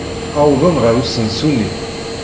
Wwḍen ɣer usensu-nni.